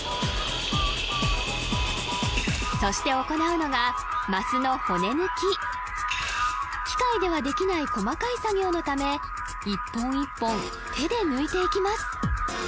そして行うのがますの骨抜き機械ではできない細かい作業のため１本１本手で抜いていきます